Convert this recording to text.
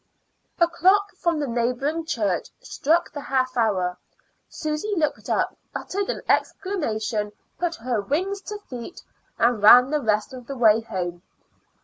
A clock from a neighboring church struck the half hour. Susy looked up, uttered an exclamation, put wings to her feet, and ran the rest of the way home.